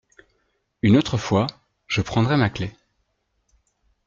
Une autre fois, je prendrai ma clef.